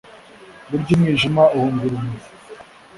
burya umwijima uhunga urumuri